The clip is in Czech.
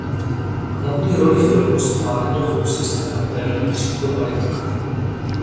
Hlavní roli filmu ztvárnil houslista kapely Jiří Konvalinka.